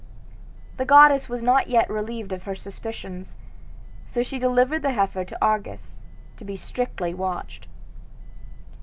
The goddess was not yet relieved of her suspicions; so she delivered the heifer to Argus, to be strictly watched.